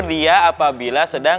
dia apabila sedang